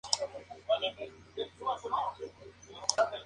El color y los diseños varían con cada título y promoción.